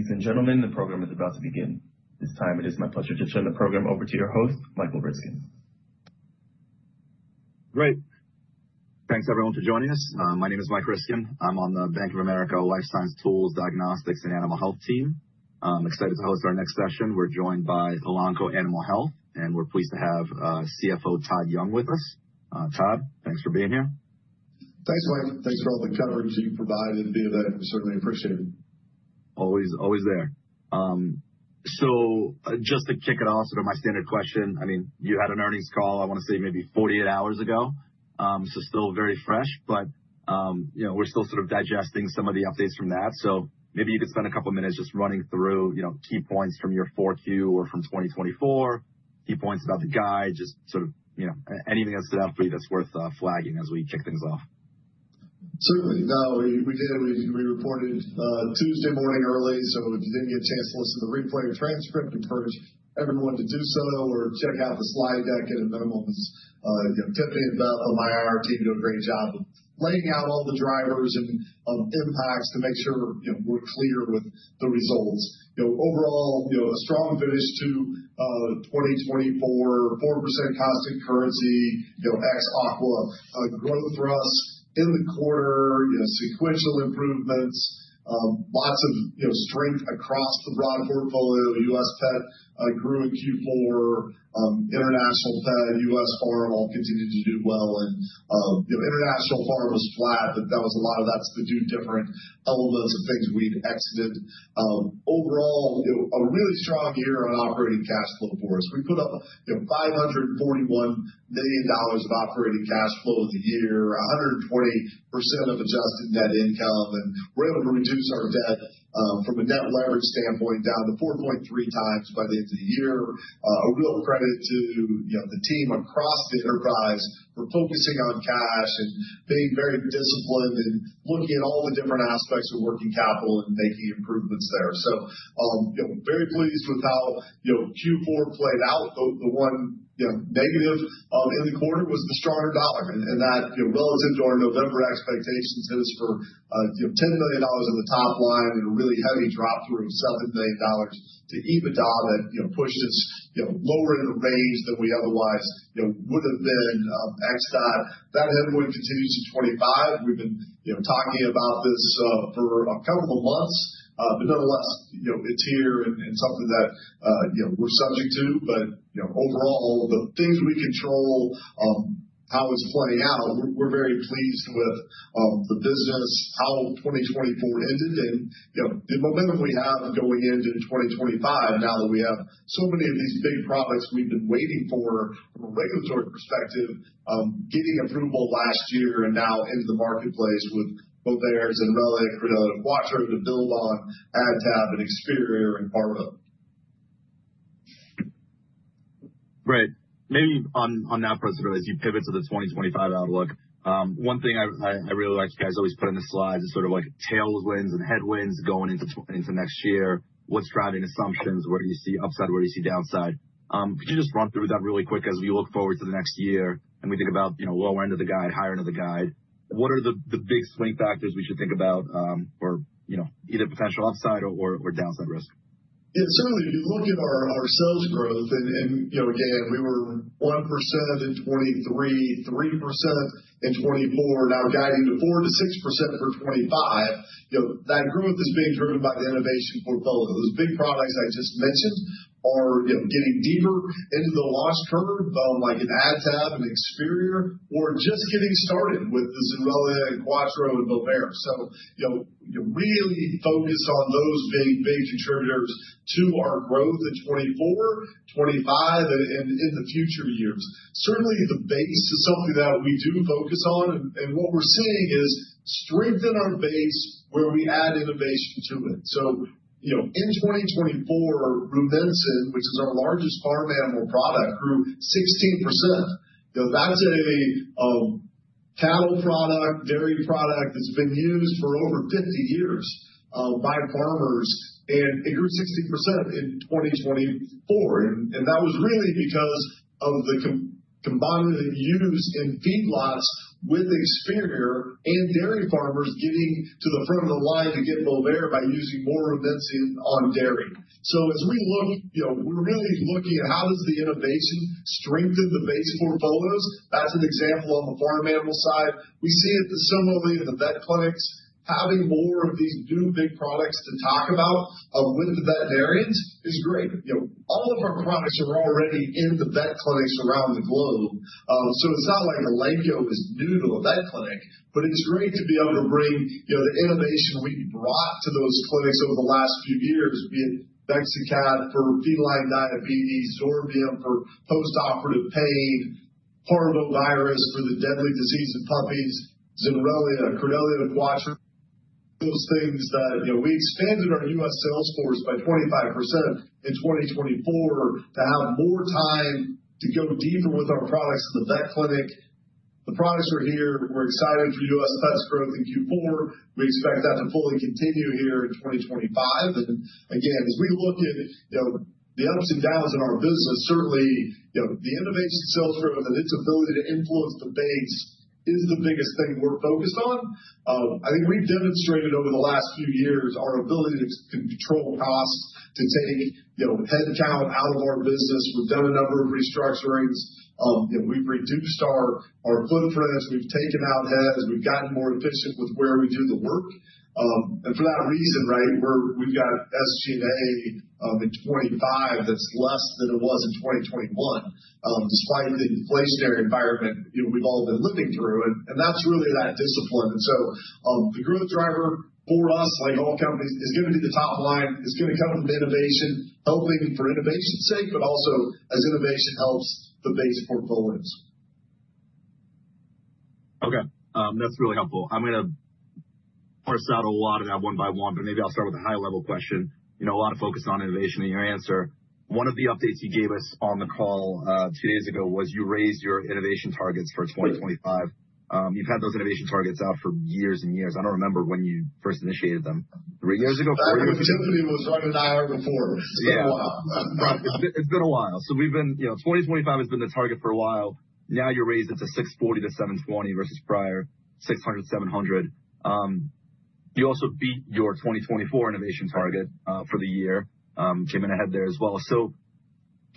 Ladies and gentlemen, the program is about to begin. This time, it is my pleasure to turn the program over to your host, Michael Ryskin. Great. Thanks, everyone, for joining us. My name is Mike Ryskin. I'm on the Bank of America Life Science Tools, Diagnostics, and Animal Health team. I'm excited to host our next session. We're joined by Elanco Animal Health, and we're pleased to have CFO Todd Young with us. Todd, thanks for being here. Thanks, Mike. Thanks for all the coverage you provided. Being there, we certainly appreciate it. Always, always there. So just to kick it off, sort of my standard question, I mean, you had an earnings call, I want to say, maybe 48 hours ago. So still very fresh, but we're still sort of digesting some of the updates from that. So maybe you could spend a couple of minutes just running through key points from your 4Q or from 2024, key points about the guide, just sort of anything that stood out for you that's worth flagging as we kick things off. Certainly. No, we did. We reported early Tuesday morning, so if you didn't get a chance to listen to the replay or transcript, encourage everyone to do so or check out the slide deck at a minimum. Tiffany and Kat from my IR team do a great job of laying out all the drivers and impacts to make sure we're clear with the results. Overall, a strong finish to 2024, 4% constant currency, ex-Aqua, growth for us in the quarter, sequential improvements, lots of strength across the broad portfolio. U.S. Pet grew in Q4, International Pet, U.S. Farm all continued to do well. International Farm was flat, but that was a lot of. That's the two different elements of things we've exited. Overall, a really strong year on operating cash flow for us. We put up $541 million of operating cash flow for the year, 120% of adjusted net income, and we're able to reduce our debt from a net leverage standpoint down to 4.3 times by the end of the year. A real credit to the team across the enterprise for focusing on cash and being very disciplined and looking at all the different aspects of working capital and making improvements there, so very pleased with how Q4 played out. The one negative in the quarter was the stronger dollar, and that relative to our November expectations is for $10 million in the top line and a really heavy drop through of $7 million to EBITDA that pushed us lower in the range than we otherwise would have been ex-FX. That headwind continues to 25. We've been talking about this for a couple of months, but nonetheless, it's here and something that we're subject to, but overall, the things we control, how it's playing out, we're very pleased with the business, how 2024 ended, and the momentum we have going into 2025 now that we have so many of these big products we've been waiting for from a regulatory perspective, getting approval last year and now into the marketplace with both Bovaer and Zenrelia, Credelio Quattro to build on AdTab and Experior and Bovaer. Right. Maybe on that, President, as you pivot to the 2025 outlook, one thing I really like you guys always put in the slides is sort of like tailwinds and headwinds going into next year. What's driving assumptions? Where do you see upside? Where do you see downside? Could you just run through that really quick as we look forward to the next year and we think about lower end of the guide, higher end of the guide? What are the big swing factors we should think about for either potential upside or downside risk? Yeah, certainly, if you look at our sales growth, and again, we were 1% in 2023, 3% in 2024, now guiding to 4%-6% for 2025. That growth is being driven by the innovation portfolio. Those big products I just mentioned are getting deeper into the launch curve, like an AdTab and Experior, or just getting started with the Zenrelia and Quattro and Bovaer. So really focused on those big contributors to our growth in 2024, 2025, and in the future years. Certainly, the base is something that we do focus on, and what we're seeing is strengthen our base where we add innovation to it. So in 2024, Rumensin, which is our largest farm animal product, grew 16%. That's a cattle product, dairy product that's been used for over 50 years by farmers, and it grew 16% in 2024. That was really because of the combined use in feedlots with Experior and dairy farmers getting to the front of the line to get Bovaer by using more Rumensin on dairy. So as we look, we're really looking at how does the innovation strengthen the base portfolios. That's an example on the farm animal side. We see it similarly in the vet clinics. Having more of these new big products to talk about with the veterinarians is great. All of our products are already in the vet clinics around the globe. So it's not like Elanco is new to a vet clinic, but it's great to be able to bring the innovation we've brought to those clinics over the last few years, be it Bexacat for feline diabetes, Zorbium for post-operative pain, Parvovirus for the deadly disease of puppies, Zenrelia and Credelio Quattro. Those things that we expanded our U.S. sales force by 25% in 2024 to have more time to go deeper with our products in the vet clinic. The products are here. We're excited for U.S. pets growth in Q4. We expect that to fully continue here in 2025. And again, as we look at the ups and downs in our business, certainly the innovation sales growth and its ability to influence the base is the biggest thing we're focused on. I think we've demonstrated over the last few years our ability to control costs, to take head count out of our business. We've done a number of restructurings. We've reduced our footprints. We've taken out heads. We've gotten more efficient with where we do the work. And for that reason, right, we've got SG&A in 2025 that's less than it was in 2021, despite the inflationary environment we've all been living through. And that's really that discipline. And so the growth driver for us, like all companies, is going to be the top line. It's going to come from innovation, helping for innovation's sake, but also as innovation helps the base portfolios. Okay. That's really helpful. I'm going to parse out a lot of that one by one, but maybe I'll start with a high-level question. A lot of focus on innovation in your answer. One of the updates you gave us on the call two days ago was you raised your innovation targets for 2025. You've had those innovation targets out for years and years. I don't remember when you first initiated them. Three years ago? Tiffany was right when I heard them forward. It's been a while. It's been a while. So we've been, 2025 has been the target for a while. Now you're raising it to $640-$720 versus prior $600-$700. You also beat your 2024 innovation target for the year. Came in ahead there as well. So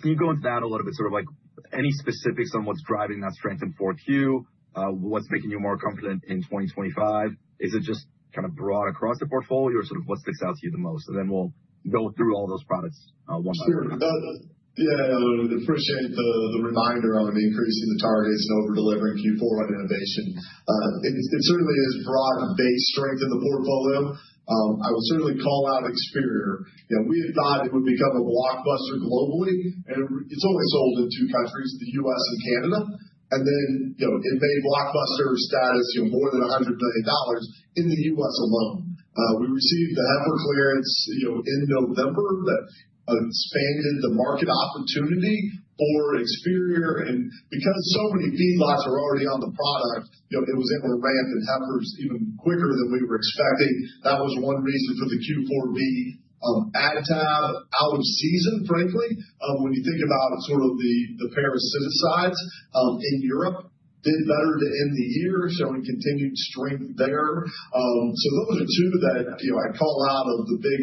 can you go into that a little bit, sort of like any specifics on what's driving that strength in 4Q, what's making you more confident in 2025? Is it just kind of broad across the portfolio or sort of what sticks out to you the most? And then we'll go through all those products one by one. Sure. Yeah, I appreciate the reminder on increasing the targets and over-delivering Q4 on innovation. It certainly is broad-based strength in the portfolio. I would certainly call out Experior. We had thought it would become a blockbuster globally, and it's only sold in two countries, the U.S. and Canada. And then it made blockbuster status more than $100 million in the U.S. alone. We received the heifer clearance in November that expanded the market opportunity for Experior. And because so many feedlots are already on the product, it was able to ramp in heifers even quicker than we were expecting. That was one reason for the Q4B AdTab out of season, frankly. When you think about sort of the parasiticides in Europe, did better to end the year, showing continued strength there. So those are two that I call out of the big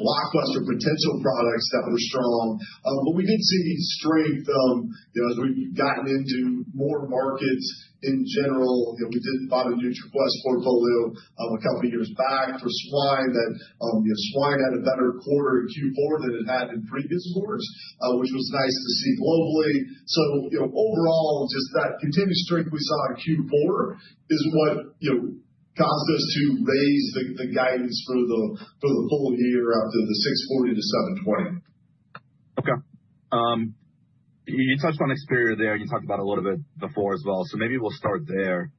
blockbuster potential products that were strong. But we did see strength as we've gotten into more markets in general. We did buy the NutriQuest portfolio a couple of years back for swine. That swine had a better quarter in Q4 than it had in previous quarters, which was nice to see globally. So overall, just that continued strength we saw in Q4 is what caused us to raise the guidance for the full year up to the 640-720. Okay. You touched on Experior there. You talked about it a little bit before as well. So maybe we'll start there.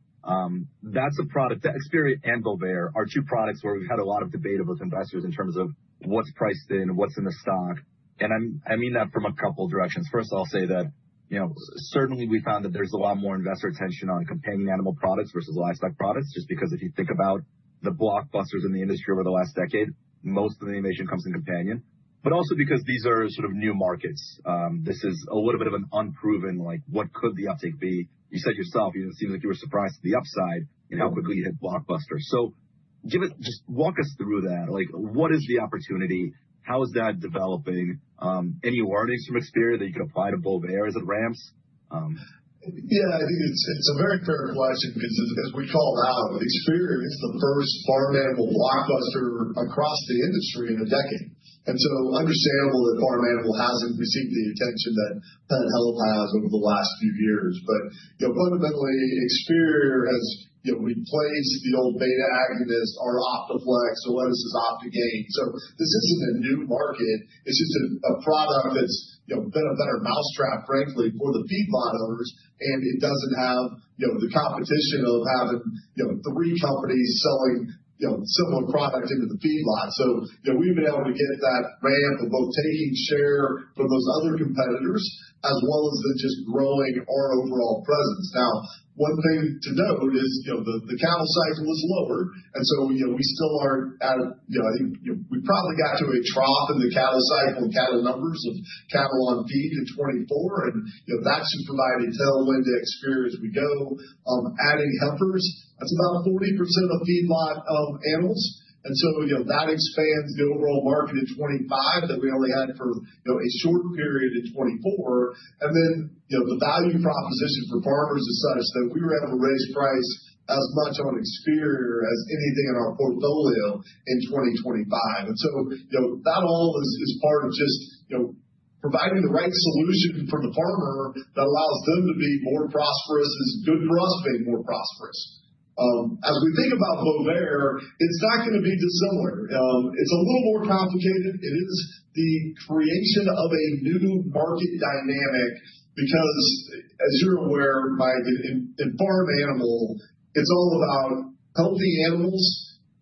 That's a product that Experior and Bovaer are two products where we've had a lot of debate with investors in terms of what's priced in, what's in the stock. And I mean that from a couple of directions. First, I'll say that certainly we found that there's a lot more investor attention on companion animal products versus livestock products, just because if you think about the blockbusters in the industry over the last decade, most of the innovation comes in companion. But also because these are sort of new markets. This is a little bit of an unproven, like what could the uptake be? You said yourself, it seems like you were surprised to the upside and how quickly you hit blockbuster. So just walk us through that. What is the opportunity? How is that developing? Any learnings from Experior that you could apply to Bovaer as it ramps? Yeah, I think it's a very fair question because, as we call out, Experior is the first farm animal blockbuster across the industry in a decade, and so understandable that farm animal hasn't received the attention that Pet Health has over the last few years, but fundamentally, Experior has replaced the old beta agonist, our Optaflexx, Zoetis's Actogain, so this isn't a new market. It's just a product that's been a better mousetrap, frankly, for the feedlot owners, and it doesn't have the competition of having three companies selling similar product into the feedlot, so we've been able to get that ramp of both taking share from those other competitors as well as just growing our overall presence. Now, one thing to note is the cattle cycle is lower, and so we still aren't at, I think, we probably got to a trough in the cattle cycle and cattle numbers of cattle on feed in 2024, and that should provide a tailwind to Experior as we go. Adding heifers, that's about 40% of feedlot animals. And so that expands the overall market in 2025 that we only had for a short period in 2024. And then the value proposition for farmers is such that we were able to raise price as much on Experior as anything in our portfolio in 2025. And so that all is part of just providing the right solution for the farmer that allows them to be more prosperous is good for us being more prosperous. As we think about Bovaer, it's not going to be dissimilar. It's a little more complicated. It is the creation of a new market dynamic because, as you're aware, Mike, in farm animal, it's all about healthy animals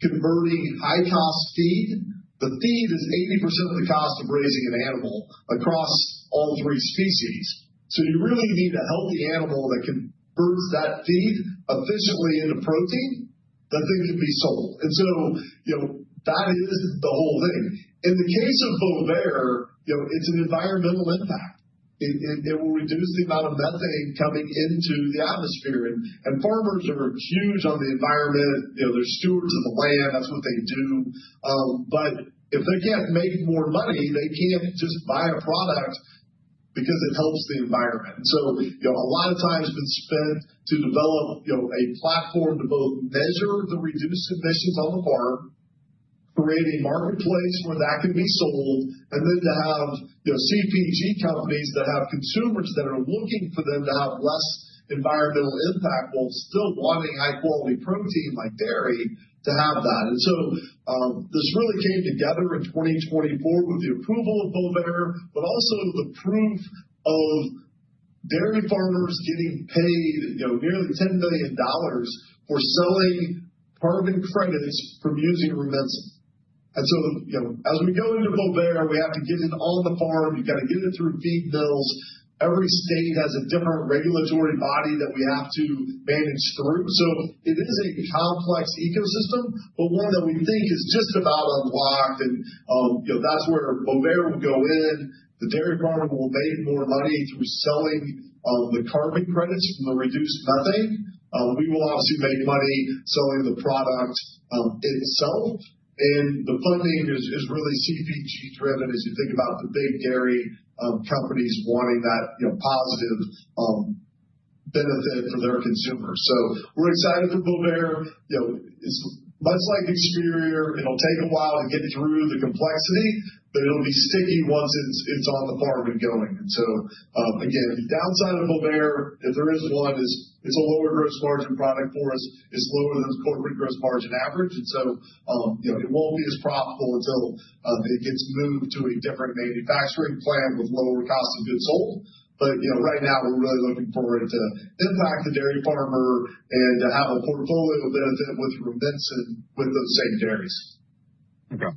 converting high-cost feed. The feed is 80% of the cost of raising an animal across all three species. So you really need a healthy animal that converts that feed efficiently into protein that then can be sold. And so that is the whole thing. In the case of Bovaer, it's an environmental impact. It will reduce the amount of methane coming into the atmosphere. And farmers are huge on the environment. They're stewards of the land. That's what they do. But if they can't make more money, they can't just buy a product because it helps the environment. And so a lot of time has been spent to develop a platform to both measure the reduced emissions on the farm, create a marketplace where that can be sold, and then to have CPG companies that have consumers that are looking for them to have less environmental impact while still wanting high-quality protein like dairy to have that. And so this really came together in 2024 with the approval of Bovaer, but also the proof of dairy farmers getting paid nearly $10 million for selling carbon credits from using Rumensin. And so as we go into Bovaer, we have to get it on the farm. You've got to get it through feed mills. Every state has a different regulatory body that we have to manage through. So it is a complex ecosystem, but one that we think is just about unlocked. And that's where Bovaer will go in. The dairy farm will make more money through selling the carbon credits from the reduced methane. We will obviously make money selling the product itself. And the funding is really CPG-driven as you think about the big dairy companies wanting that positive benefit for their consumers. So we're excited for Bovaer. It's much like Experior. It'll take a while to get through the complexity, but it'll be sticky once it's on the farm and going. And so again, the downside of Bovaer, if there is one, is it's a lower gross margin product for us. It's lower than the corporate gross margin average. And so it won't be as profitable until it gets moved to a different manufacturing plant with lower cost of goods sold. But right now, we're really looking forward to impact the dairy farmer and to have a portfolio benefit with Rumensin with those same dairies. Okay.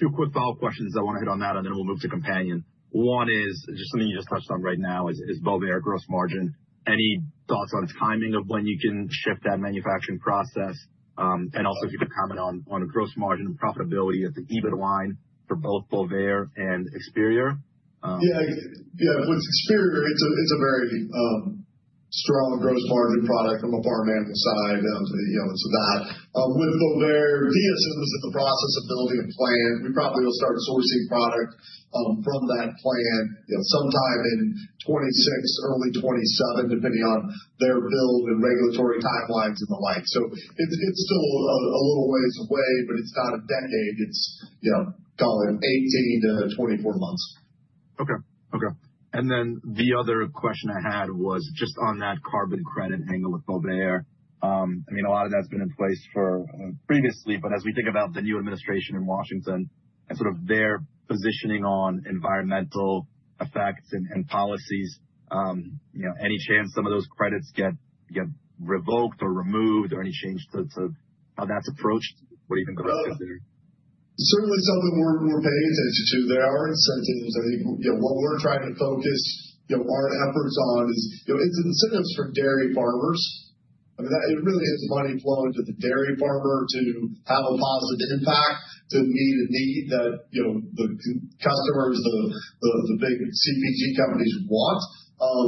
Two quick follow-up questions I want to hit on that, and then we'll move to companion. One is just something you just touched on right now is Bovaer gross margin. Any thoughts on timing of when you can shift that manufacturing process? And also if you could comment on gross margin and profitability at the EBIT line for both Bovaer and Experior. Yeah. With Experior, it's a very strong gross margin product from a farm animal side to that. With Bovaer, DSM is in the process of building a plant. We probably will start sourcing product from that plant sometime in 2026, early 2027, depending on their build and regulatory timelines and the like. So it's still a little ways away, but it's not a decade. It's call it 18-24 months. Okay. Okay. And then the other question I had was just on that carbon credit angle with Bovaer. I mean, a lot of that's been in place for previously, but as we think about the new administration in Washington and sort of their positioning on environmental effects and policies, any chance some of those credits get revoked or removed or any change to how that's approached? What do you think about that? Certainly something we're paying attention to. There are incentives. I think what we're trying to focus our efforts on is incentives for dairy farmers. I mean, it really is money flowing to the dairy farmer to have a positive impact to meet a need that the customers, the big CPG companies want.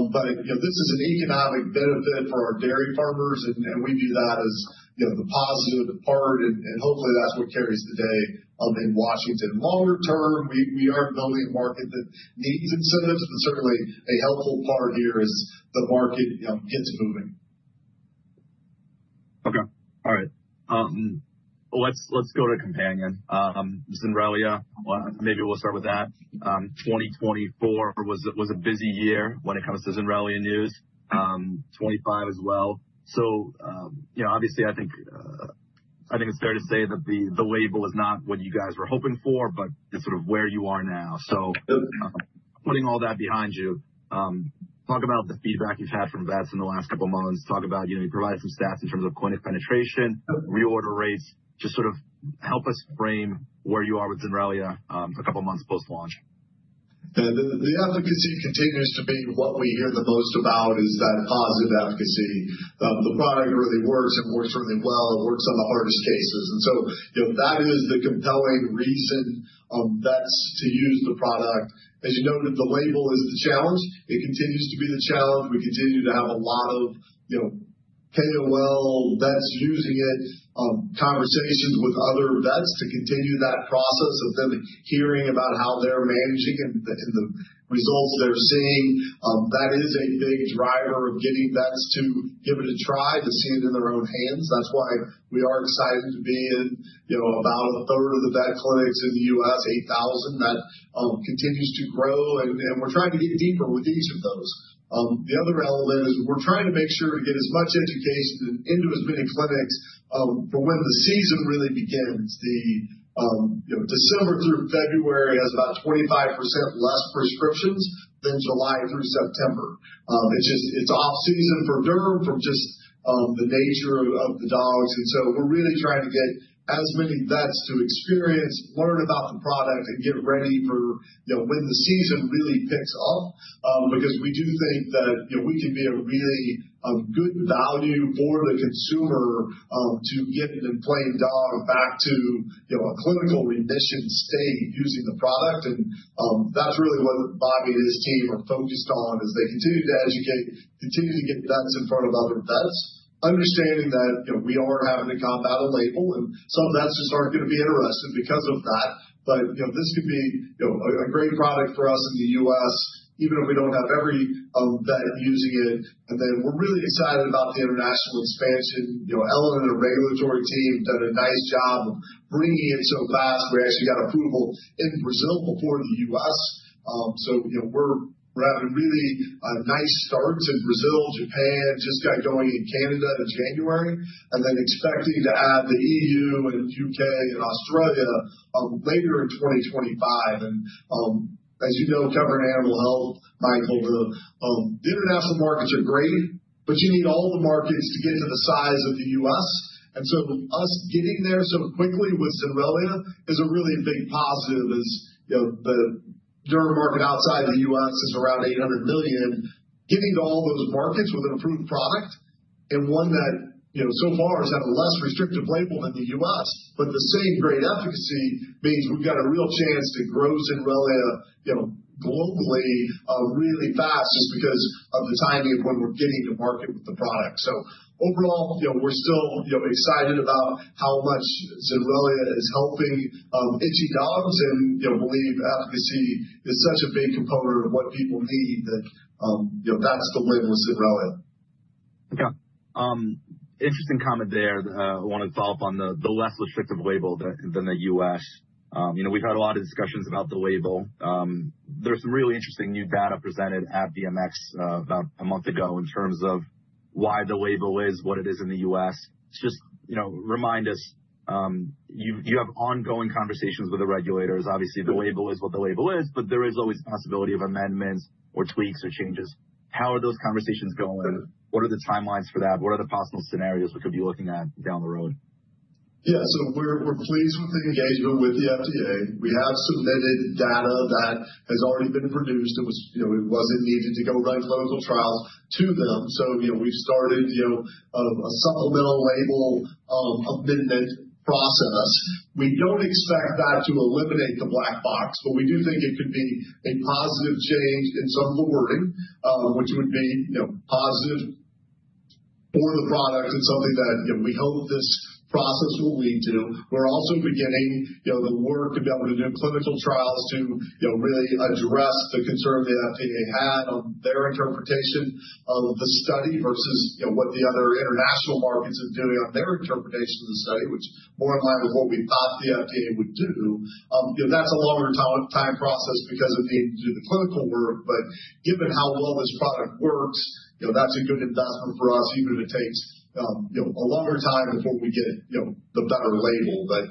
But this is an economic benefit for our dairy farmers, and we view that as the positive part, and hopefully that's what carries the day in Washington. Longer term, we are building a market that needs incentives, but certainly a helpful part here as the market gets moving. Okay. All right. Let's go to companion. Zenrelia, maybe we'll start with that. 2024 was a busy year when it comes to Zenrelia and news. 2025 as well. So obviously, I think it's fair to say that the label is not what you guys were hoping for, but it's sort of where you are now. So putting all that behind you, talk about the feedback you've had from vets in the last couple of months. Talk about. You provided some stats in terms of clinic penetration, reorder rates. Just sort of help us frame where you are with Zenrelia a couple of months post-launch. The efficacy continues to be what we hear the most about is that positive efficacy. The product really works and works really well. It works on the hardest cases. And so that is the compelling reason vets to use the product. As you noted, the label is the challenge. It continues to be the challenge. We continue to have a lot of KOL vets using it, conversations with other vets to continue that process of them hearing about how they're managing and the results they're seeing. That is a big driver of getting vets to give it a try, to see it in their own hands. That's why we are excited to be in about a third of the vet clinics in the U.S., 8,000. That continues to grow, and we're trying to get deeper with each of those. The other element is we're trying to make sure to get as much education into as many clinics for when the season really begins. December through February has about 25% less prescriptions than July through September. It's off-season for Derm from just the nature of the dogs. And so we're really trying to get as many vets to experience, learn about the product, and get ready for when the season really picks up because we do think that we can be a really good value for the consumer to get an inflamed dog back to a clinical remission state using the product. And that's really what Bobby and his team are focused on is they continue to educate, continue to get vets in front of other vets, understanding that we are having to combat a label, and some vets just aren't going to be interested because of that. But this could be a great product for us in the U.S., even if we don't have every vet using it. And then we're really excited about the international expansion. Ellen and her regulatory team have done a nice job of bringing it so fast. We actually got approval in Brazil before the U.S. So we're having really nice starts in Brazil, Japan, just got going in Canada in January, and then expecting to add the E.U. and U.K. and Australia later in 2025. And as you know, covering animal health, Michael, the international markets are great, but you need all the markets to get to the size of the U.S. And so us getting there so quickly with Zenrelia is a really big positive as the Derm market outside of the U.S. is around $800 million, getting to all those markets with an approved product and one that so far has had a less restrictive label than the U.S. But the same great efficacy means we've got a real chance to grow Zenrelia globally really fast just because of the timing of when we're getting to market with the product. So overall, we're still excited about how much Zenrelia is helping itchy dogs and believe efficacy is such a big component of what people need that that's the win with Zenrelia. Okay. Interesting comment there. I want to follow up on the less restrictive label than the U.S. We've had a lot of discussions about the label. There's some really interesting new data presented at VMX about a month ago in terms of why the label is what it is in the U.S. Just remind us, you have ongoing conversations with the regulators. Obviously, the label is what the label is, but there is always the possibility of amendments or tweaks or changes. How are those conversations going? What are the timelines for that? What are the possible scenarios we could be looking at down the road? Yeah. So we're pleased with the engagement with the FDA. We have submitted data that has already been produced. It wasn't needed to go run clinical trials to them. So we've started a supplemental label amendment process. We don't expect that to eliminate the black box, but we do think it could be a positive change in some of the wording, which would be positive for the product and something that we hope this process will lead to. We're also beginning the work to be able to do clinical trials to really address the concern the FDA had on their interpretation of the study versus what the other international markets are doing on their interpretation of the study, which is more in line with what we thought the FDA would do. That's a longer time process because of the clinical work. But given how well this product works, that's a good investment for us, even if it takes a longer time before we get the better label. But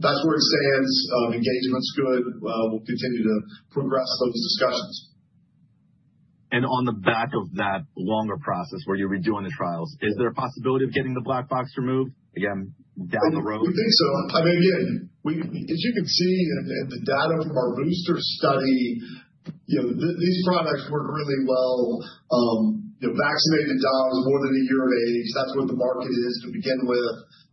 that's where it stands. Engagement's good. We'll continue to progress those discussions. On the back of that longer process where you're redoing the trials, is there a possibility of getting the black box removed again down the road? We think so. I mean, again, as you can see in the data from our booster study, these products work really well. Vaccinated dogs more than a year of age, that's what the market is to begin with.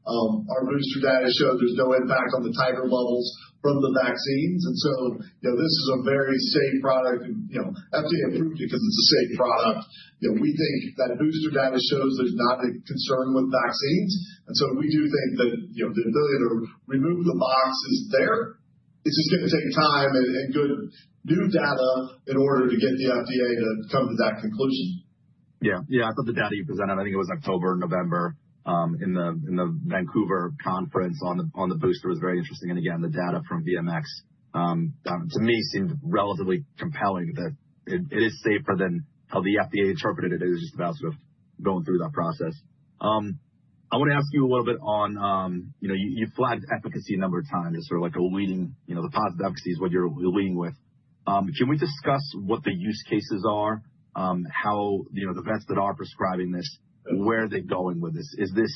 Our booster data shows there's no impact on the titer levels from the vaccines. And so this is a very safe product. FDA approved it because it's a safe product. We think that booster data shows there's not a concern with vaccines. And so we do think that the ability to remove the box is there. It's just going to take time and good new data in order to get the FDA to come to that conclusion. Yeah. Yeah. I thought the data you presented, I think it was October or November in the Vancouver conference on the booster was very interesting. And again, the data from VMX to me seemed relatively compelling that it is safer than how the FDA interpreted it. It was just about sort of going through that process. I want to ask you a little bit on, you flagged efficacy a number of times. It's sort of like a leading the positive efficacy is what you're leading with. Can we discuss what the use cases are, how the vets that are prescribing this, where are they going with this? Is this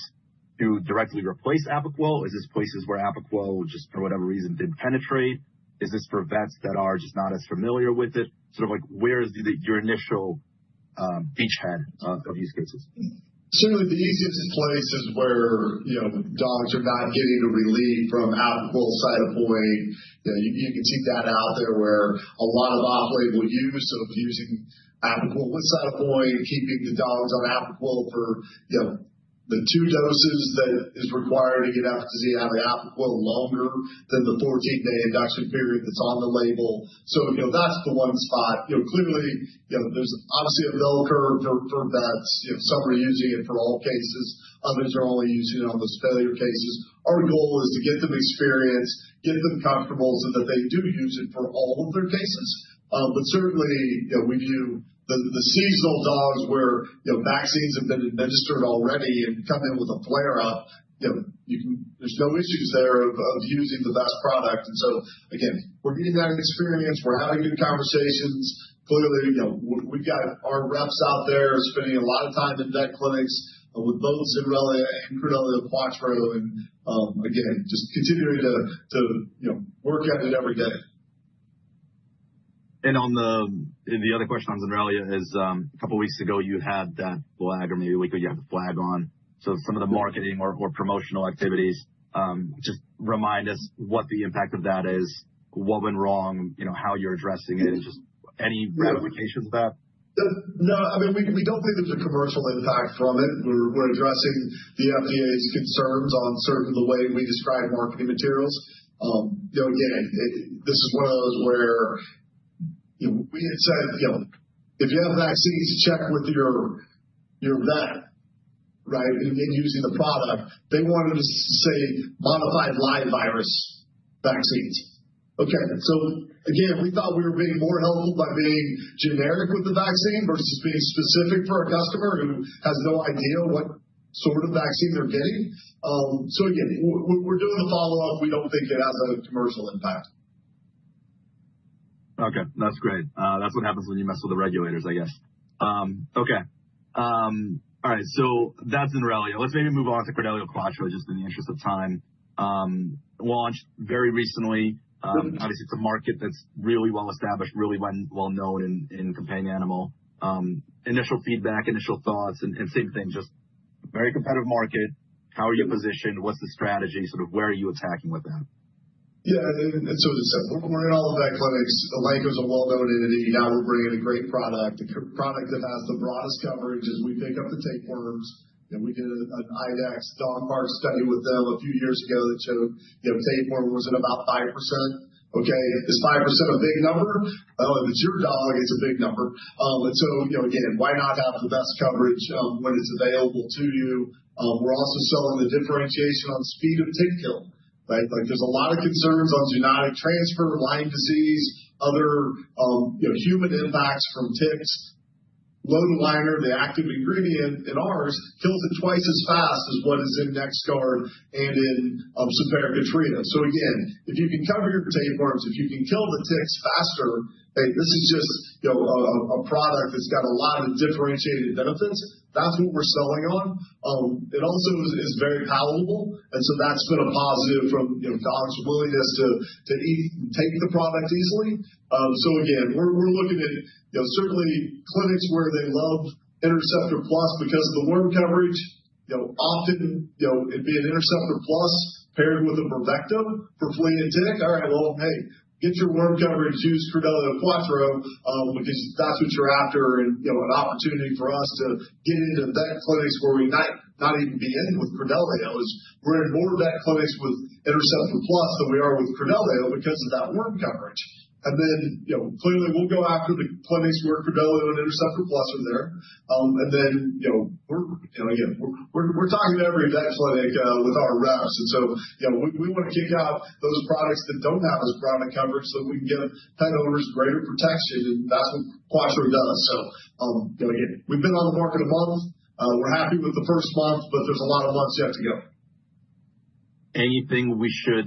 to directly replace Apoquel? Is this places where Apoquel, just for whatever reason, didn't penetrate? Is this for vets that are just not as familiar with it? Sort of like where is your initial beachhead of use cases? Certainly, the easiest place is where dogs are not getting the relief from Apoquel and Cytopoint. You can see that out there where a lot of off-label use of using Apoquel with Cytopoint, keeping the dogs on Apoquel for the two doses that is required to get efficacy out of Apoquel longer than the 14-day induction period that's on the label. So that's the one spot. Clearly, there's obviously a bell curve for vets. Some are using it for all cases. Others are only using it on those failure cases. Our goal is to get them experience, get them comfortable so that they do use it for all of their cases. But certainly, we view the seasonal dogs where vaccines have been administered already and come in with a flare-up, there's no issues there of using the best product. And so again, we're getting that experience. We're having good conversations. Clearly, we've got our reps out there spending a lot of time in vet clinics with both Zenrelia and Credelio Quattro and again, just continuing to work at it every day. And on the other question on Zenrelia, a couple of weeks ago, you had that flag or maybe a week ago you had the flag on. So some of the marketing or promotional activities, just remind us what the impact of that is, what went wrong, how you're addressing it, and just any ramifications of that? No. I mean, we don't think there's a commercial impact from it. We're addressing the FDA's concerns on certainly the way we describe marketing materials. Again, this is one of those where we had said, "If you have vaccines, check with your vet," right, in using the product. They wanted us to say modified live virus vaccines. Okay. So again, we're doing the follow-up. We don't think it has a commercial impact. Okay. That's great. That's what happens when you mess with the regulators, I guess. Okay. All right. So that's Zenrelia. Let's maybe move on to Credelio Quattro just in the interest of time. Launched very recently. Obviously, it's a market that's really well established, really well known in companion animal. Initial feedback, initial thoughts, and same thing, just very competitive market. How are you positioned? What's the strategy? Sort of where are you attacking with that? Yeah. And so we're in all the vet clinics. Elanco is a well-known entity. Now we're bringing a great product, a product that has the broadest coverage as we pick up the tapeworms. We did an IDEXX Dog Park study with them a few years ago that showed tapeworm was at about 5%. Okay. Is 5% a big number? Oh, if it's your dog, it's a big number. And so again, why not have the best coverage when it's available to you? We're also selling the differentiation on speed of tick kill, right? There's a lot of concerns on zoonotic transfer, Lyme disease, other human impacts from ticks. Lotilaner, the active ingredient in ours, kills it twice as fast as what is in NexGard and in Simparica Trio. So again, if you can cover your tapeworms, if you can kill the ticks faster, this is just a product that's got a lot of differentiated benefits. That's what we're selling on. It also is very palatable. And so that's been a positive from dogs' willingness to eat and take the product easily. So again, we're looking at certainly clinics where they love Interceptor Plus because of the worm coverage. Often, it'd be an Interceptor Plus paired with a Bravecto for flea and tick. All right, well, hey, get your worm coverage, use Credelio Quattro because that's what you're after and an opportunity for us to get into vet clinics where we might not even be in with Credelio. We're in more vet clinics with Interceptor Plus than we are with Credelio because of that worm coverage. And then clearly, we'll go after the clinics where Credelio and Interceptor Plus are there. And then again, we're talking to every vet clinic with our reps. And so we want to kick out those products that don't have as broad a coverage so that we can give pet owners greater protection. And that's what Quattro does. So again, we've been on the market a month. We're happy with the first month, but there's a lot of months you have to go. Anything we should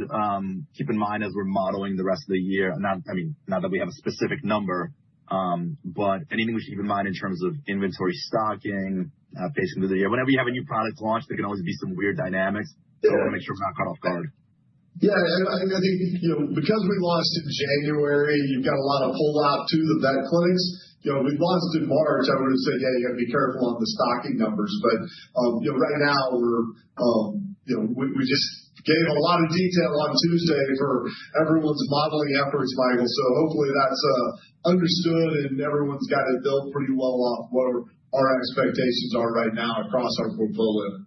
keep in mind as we're modeling the rest of the year? I mean, not that we have a specific number, but anything we should keep in mind in terms of inventory stocking, pacing through the year? Whenever you have a new product launch, there can always be some weird dynamics. So we want to make sure we're not caught off guard. Yeah. And I think because we launched in January, you've got a lot of pull-out to the vet clinics. We launched in March. I would have said, yeah, you got to be careful on the stocking numbers. But right now, we just gave a lot of detail on Tuesday for everyone's modeling efforts, Michael. So hopefully that's understood and everyone's got it built pretty well off what our expectations are right now across our portfolio.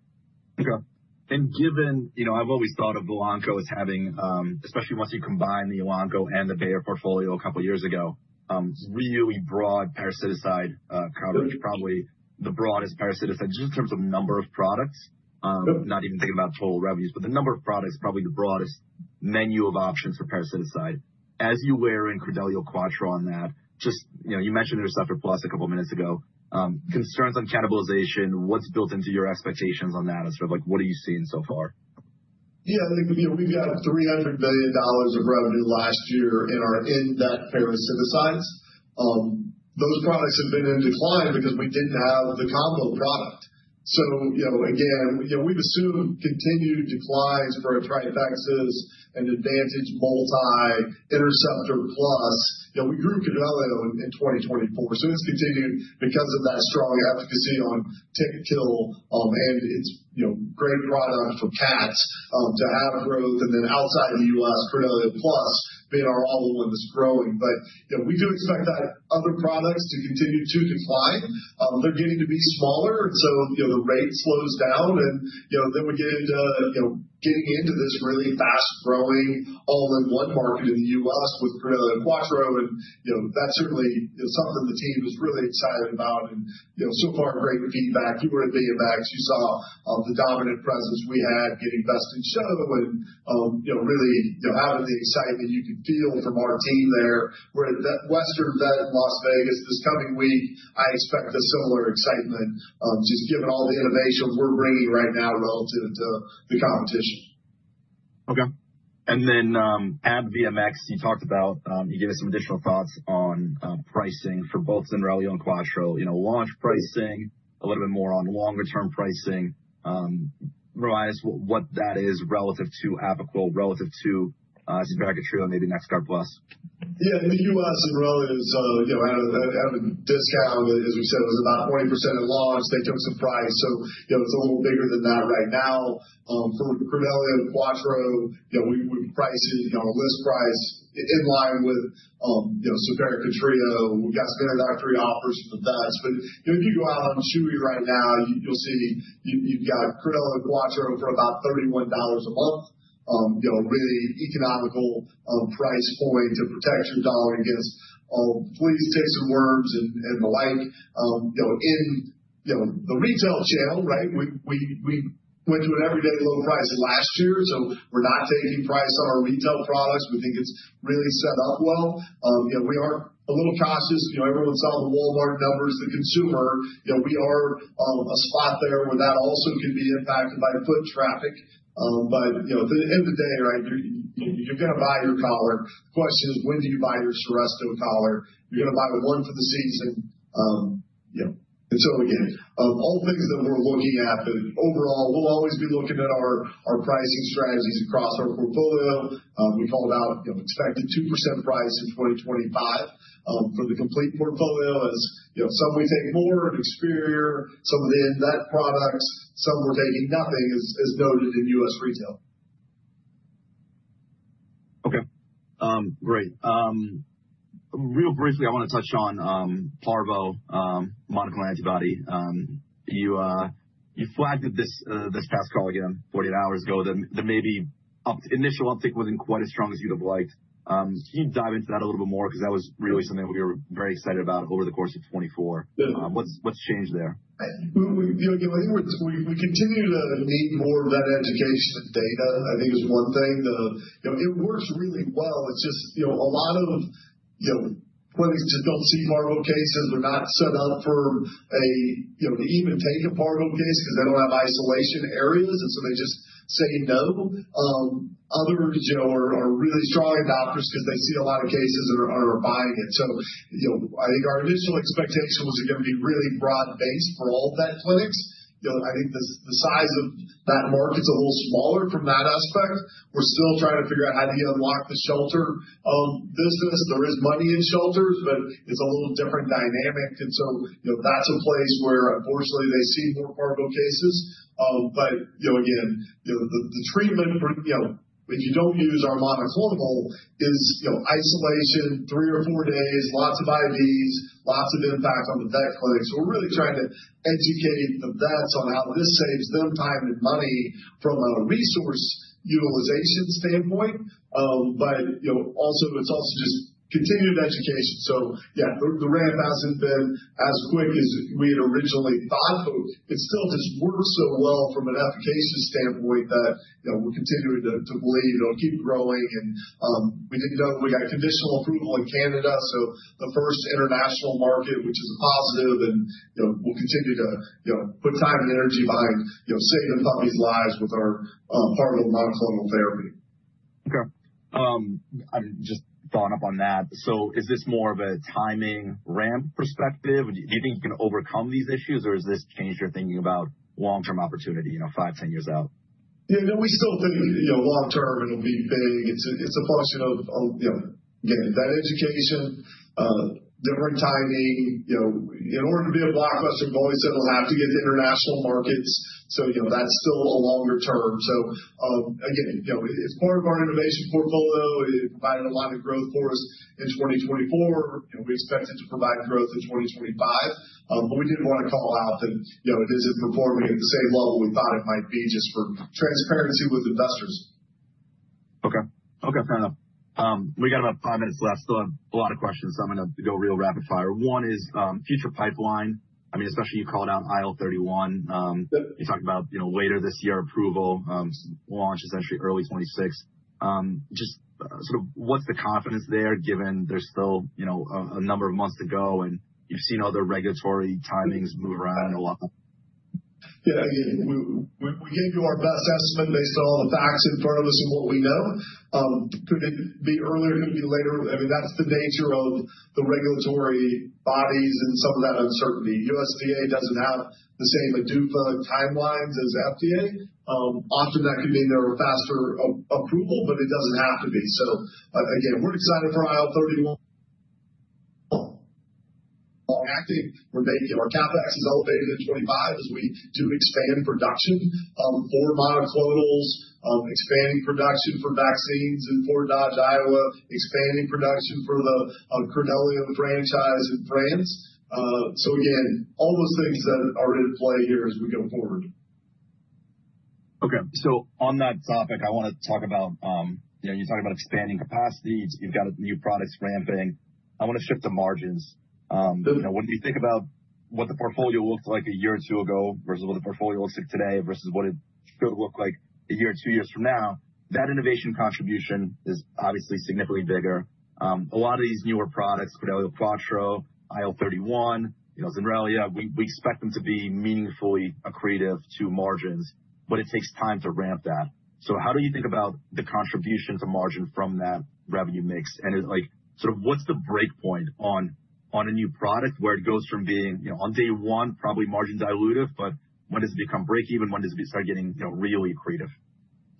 Okay. And given I've always thought of Elanco as having, especially once you combine the Elanco and the Bayer portfolio a couple of years ago, really broad parasiticide coverage, probably the broadest parasiticide just in terms of number of products, not even thinking about total revenues, but the number of products is probably the broadest menu of options for parasiticide. As you weigh in on Credelio Quattro on that, just as you mentioned Interceptor Plus a couple of minutes ago. Concerns on cannibalization, what's built into your expectations on that? And sort of what are you seeing so far? Yeah. We've had $300 million of revenue last year in that parasiticides. Those products have been in decline because we didn't have the combo product. So again, we've assumed continued declines for Trifexis and Advantage Multi Interceptor Plus. We grew Credelio in 2024. So it's continued because of that strong efficacy on tick kill and it's great product for cats to have growth. And then outside the U.S., Credelio Plus being our all-in-one that's growing. But we do expect that other products to continue to decline. They're getting to be smaller. And so the rate slows down. And then we get into getting into this really fast-growing all-in-one market in the U.S. with Credelio Quattro. And that's certainly something the team is really excited about. And so far, great feedback. You were at VMX. You saw the dominant presence we had getting best in show and really having the excitement you can feel from our team there. We're at Western Vet in Las Vegas this coming week. I expect a similar excitement just given all the innovation we're bringing right now relative to the competition. Okay, and then at VMX, you talked about you gave us some additional thoughts on pricing for both Zenrelia and Quattro. Launch pricing, a little bit more on longer-term pricing, what that is relative to Apoquel, relative to Simparica Trio, maybe NexGard Plus. Yeah. In the U.S., Zenrelia is at a discount. As we said, it was about 20% at launch. They took some price. So it's a little bigger than that right now. For Credelio Quattro, we've priced it on a list price in line with Simparica Trio. We've got some introductory offers for the vets. But if you go out shopping right now, you'll see you've got Credelio and Quattro for about $31 a month, really economical price point to protect your dog against fleas, ticks, and worms, and the like. In the retail channel, right, we went to an everyday low price last year. So we're not taking price on our retail products. We think it's really set up well. We are a little cautious. Everyone's on the Walmart numbers. The consumer, we're at a spot there where that also can be impacted by foot traffic. But at the end of the day, right, you're going to buy your collar. The question is, when do you buy your Seresto collar? You're going to buy one for the season. And so again, all things that we're looking at, but overall, we'll always be looking at our pricing strategies across our portfolio. We call it out expected 2% price in 2025 for the complete portfolio. As some we take more and Experior, some of the vet products, some we're taking nothing, as noted in U.S. retail. Okay. Great. Really briefly, I want to touch on Parvo, monoclonal antibody. You flagged this past call again, 48 hours ago, that maybe initial uptick wasn't quite as strong as you'd have liked. Can you dive into that a little bit more? Because that was really something we were very excited about over the course of 2024. What's changed there? Again, I think we continue to need more vet education and data, I think, is one thing. It works really well. It's just a lot of clinics just don't see Parvo cases. They're not set up for to even take a Parvo case because they don't have isolation areas. And so they just say no. Others are really strong adopters because they see a lot of cases and are buying it. So I think our initial expectation was it's going to be really broad-based for all vet clinics. I think the size of that market's a little smaller from that aspect. We're still trying to figure out how do you unlock the shelter business. There is money in shelters, but it's a little different dynamic. And so that's a place where, unfortunately, they see more Parvo cases. But again, the treatment, if you don't use our monoclonal, is isolation, three or four days, lots of IVs, lots of impact on the vet clinics. So we're really trying to educate the vets on how this saves them time and money from a resource utilization standpoint. But it's also just continued education. So yeah, the ramp hasn't been as quick as we had originally thought. But it still just works so well from an efficacious standpoint that we're continuing to believe it'll keep growing. And we didn't know we got conditional approval in Canada. So the first international market, which is a positive. And we'll continue to put time and energy behind saving puppies' lives with our Parvo monoclonal therapy. Okay. I'm just following up on that. So is this more of a timing ramp perspective? Do you think you can overcome these issues, or is this change your thinking about long-term opportunity five, 10 years out? Yeah. No, we still think long-term it'll be big. It's a function of, again, vet education, different timing. In order to be a blockbuster, we've always said it'll have to get to international markets. So that's still a longer term. So again, it's part of our innovation portfolio. It provided a lot of growth for us in 2024. We expect it to provide growth in 2025. But we did want to call out that it isn't performing at the same level we thought it might be just for transparency with investors. Okay. Okay. Fair enough. We got about five minutes left. Still have a lot of questions. So I'm going to go real rapid fire. One is future pipeline. I mean, especially you called out IL-31. You talked about later this year approval, launch essentially early 2026. Just sort of what's the confidence there given there's still a number of months to go and you've seen other regulatory timings move around a lot? Yeah. Again, we gave you our best estimate based on all the facts in front of us and what we know. Could it be earlier? Could it be later? I mean, that's the nature of the regulatory bodies and some of that uncertainty. USDA doesn't have the same ADUFA timelines as FDA. Often that could mean there are faster approval, but it doesn't have to be. So again, we're excited for IL-31. We're making our CapEx is elevated at 25 as we do expand production for monoclonals, expanding production for vaccines in Fort Dodge, Iowa, expanding production for the Credelio franchise in France. So again, all those things that are in play here as we go forward. Okay. So on that topic, I want to talk about you talked about expanding capacity. You've got new products ramping. I want to shift the margins. When you think about what the portfolio looked like a year or two ago versus what the portfolio looks like today versus what it should look like a year or two years from now, that innovation contribution is obviously significantly bigger. A lot of these newer products, Credelio Quattro, IL-31, Zenrelia, we expect them to be meaningfully accretive to margins, but it takes time to ramp that. So how do you think about the contribution to margin from that revenue mix? And sort of what's the breakpoint on a new product where it goes from being on day one, probably margin dilutive, but when does it become break-even? When does it start getting really accretive?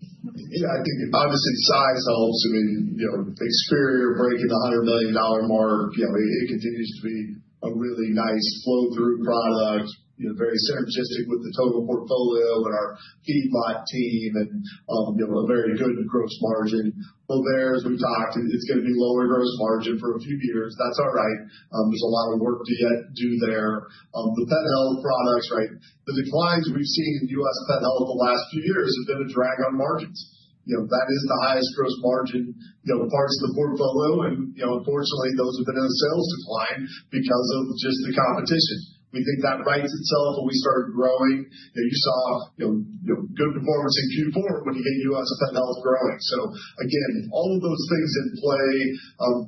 Yeah. I think obviously size helps. I mean, Experior breaking the $100 million mark, it continues to be a really nice flow-through product, very synergistic with the total portfolio and our feedlot team and a very good gross margin. Bovaer, as we talked, it's going to be lower gross margin for a few years. That's all right. There's a lot of work to yet do there. The pet health products, right? The declines we've seen in U.S. Pet Health the last few years have been a drag on markets. That is the highest gross margin parts of the portfolio. And unfortunately, those have been in a sales decline because of just the competition. We think that rights itself when we started growing. You saw good performance in Q4 when you get U.S. Pet Health growing. So again, all of those things in play.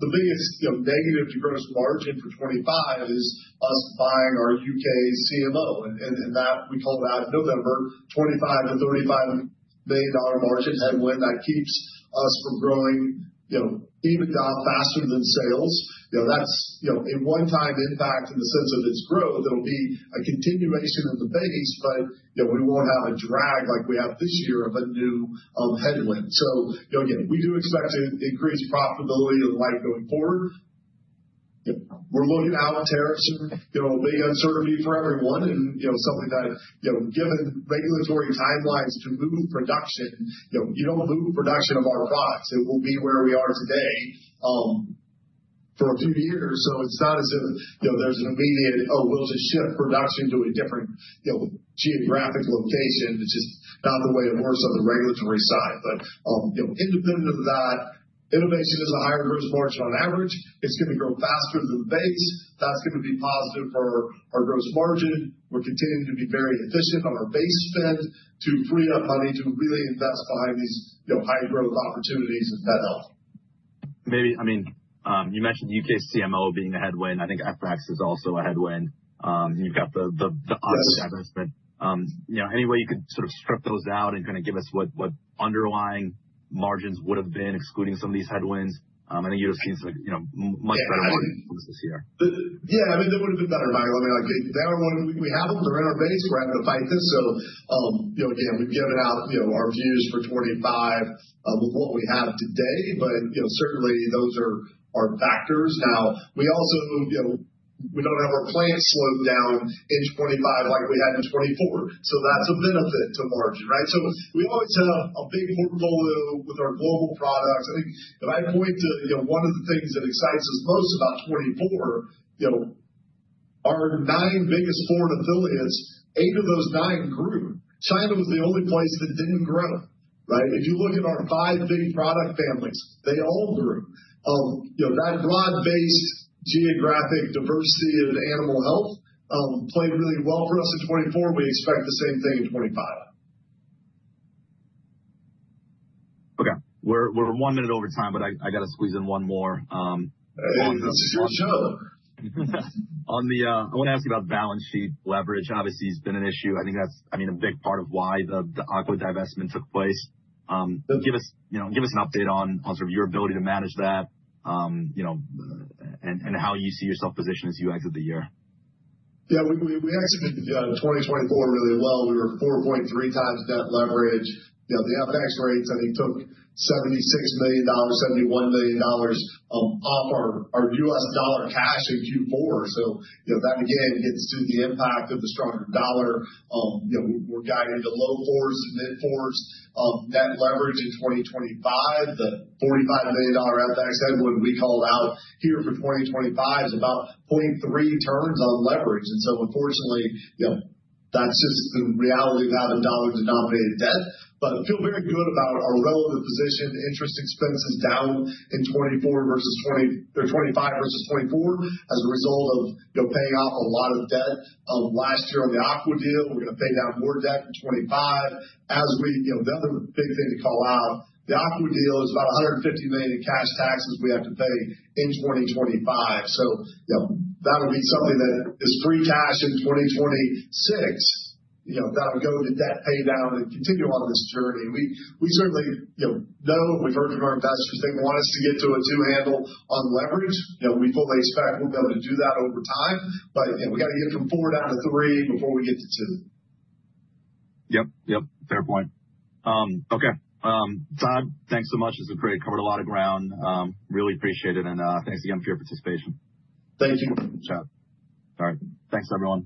The biggest negative to gross margin for '25 is us buying our UK CMO, and that we called out in November, $25-$35 million margin headwind that keeps us from growing even faster than sales. That's a one-time impact in the sense of its growth. It'll be a continuation of the base, but we won't have a drag like we have this year of a new headwind. So again, we do expect to increase profitability and the like going forward. We're looking out. Tariffs are a big uncertainty for everyone, and something that, given regulatory timelines to move production, you don't move production of our products. It will be where we are today for a few years, so it's not as if there's an immediate, "Oh, we'll just shift production to a different geographic location." It's just not the way it works on the regulatory side. But independent of that, innovation is a higher gross margin on average. It's going to grow faster than the base. That's going to be positive for our gross margin. We're continuing to be very efficient on our base spend to free up money to really invest behind these high-growth opportunities in pet health. I mean, you mentioned U.K. CMO being a headwind. I think FX is also a headwind. You've got the obvious adverse spin. Any way you could sort of strip those out and kind of give us what underlying margins would have been excluding some of these headwinds? I think you'd have seen some much better margins this year. Yeah. I mean, they would have been better margins. I mean, they are what we have them. They're in our base. We're having to fight this. So again, we've given out our views for 2025 with what we have today. But certainly, those are our factors. Now, we also don't have our plants slowed down in 2025 like we had in 2024. So that's a benefit to margin, right? So we always have a big portfolio with our global products. I think if I point to one of the things that excites us most about 2024, our nine biggest foreign affiliates, eight of those nine grew. China was the only place that didn't grow, right? If you look at our five big product families, they all grew. That broad-based geographic diversity of animal health played really well for us in 2024. We expect the same thing in 2025. Okay. We're one minute over time, but I got to squeeze in one more. This is your show. I want to ask you about balance sheet leverage. Obviously, it's been an issue. I think that's, I mean, a big part of why the Aqua divestment took place. Give us an update on sort of your ability to manage that and how you see yourself positioned as you exit the year. Yeah. We exited 2024 really well. We were 4.3 times net leverage. The FX rates, I think, took $76 million, $71 million off our US dollar cash in Q4. So that, again, gets to the impact of the stronger dollar. We're guided to low fours, mid-fours net leverage in 2025. The $45 million FX headwind we called out here for 2025 is about 0.3 turns on leverage. And so, unfortunately, that's just the reality of having dollar-denominated debt. But feel very good about our relative position, interest expenses down in 2025 versus 2024 as a result of paying off a lot of debt last year on the Aqua deal. We're going to pay down more debt in 2025. As we, the other big thing to call out, the Aqua deal is about $150 million in cash taxes we have to pay in 2025. So that'll be something that is free cash in 2026 that'll go to debt pay down and continue on this journey. We certainly know, and we've heard from our investors, they want us to get to a two-handle on leverage. We fully expect we'll be able to do that over time. But we got to get from four down to three before we get to two. Yep. Yep. Fair point. Okay. Todd, thanks so much. This was great. Covered a lot of ground. Really appreciate it, and thanks again for your participation. Thank you. Ciao. All right. Thanks, everyone.